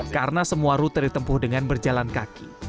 karena semua rute ditempuh dengan berjalan kaki